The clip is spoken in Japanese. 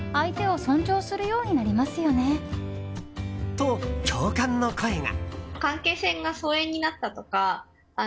と、共感の声が。